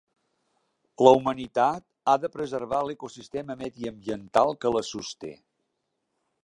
La humanitat ha de preservar l'ecosistema mediambiental que la sosté.